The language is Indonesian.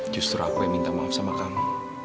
justru aku yang minta maaf sama kami